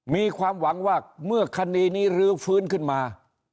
มีความหวังว่าเมื่อคดีนี้รื้อฟื้นขึ้นมา